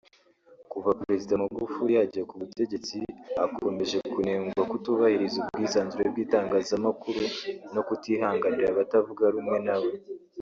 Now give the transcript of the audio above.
Kuva Perezida Magufuli yajya ku butegetsi akomeje kunengwa kutubahiriza ubwisanzure bw’itangazamakuru no kutihanganira abatavuga rumwe nawe